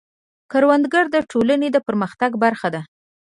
کروندګر د ټولنې د پرمختګ برخه دی